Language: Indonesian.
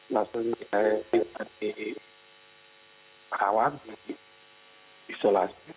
langsung saya diperawati di isolasi